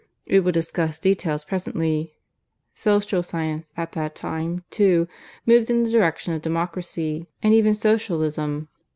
(We will discuss details presently.) Social Science, at that time, too, moved in the direction of Democracy and even Socialism.